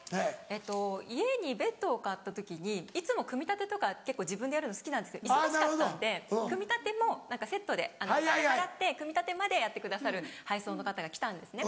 家にベッドを買った時にいつも組み立てとか結構自分でやるの好きなんですけど忙しかったんで組み立てもセットでお金払って組み立てまでやってくださる配送の方が来たんですね。